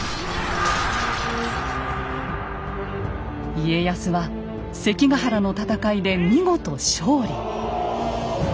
家康は関ヶ原の戦いで見事勝利。